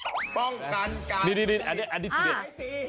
ค่ะคือเรื่องราวว่าสาวเจ๋งดีนัก